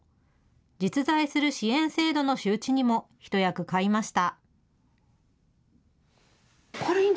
実在する支援制度の周知にも一役買いました。